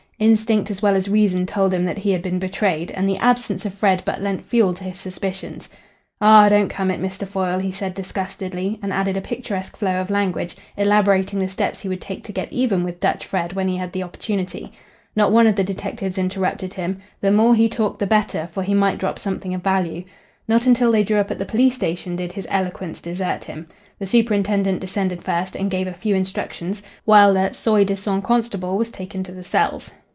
Instinct, as well as reason, told him that he had been betrayed, and the absence of Fred but lent fuel to his suspicions. "Aw don't come it, Mr. Foyle," he said disgustedly, and added a picturesque flow of language, elaborating the steps he would take to get even with Dutch Fred when he had the opportunity. Not one of the detectives interrupted him. The more he talked the better, for he might drop something of value. Not until they drew up at the police station did his eloquence desert him. The superintendent descended first and gave a few instructions, while the soi disant constable was taken to the cells.